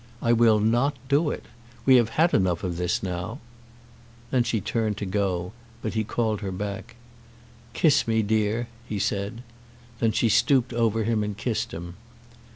I will not do it. We have had enough of this now." Then she turned to go away, but he called her back. "Kiss me, dear," he said. Then she stooped over him and kissed him.